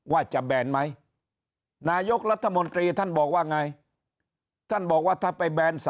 ว่าจะแบนไหมนายกรัฐมนตรีท่านบอกว่าไงท่านบอกว่าถ้าไปแบน๓